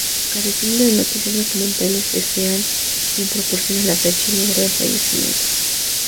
Careciendo de noticias documentales, es Ceán quien proporciona la fecha y lugar de fallecimiento.